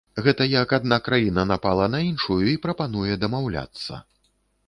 Гэта як адна краіна напала на іншую і прапануе дамаўляцца.